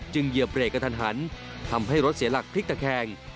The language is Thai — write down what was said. เหยียบเบรกกระทันหันทำให้รถเสียหลักพลิกตะแคง